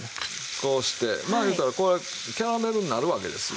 こうしてまあ言うたらキャラメルになるわけですよ。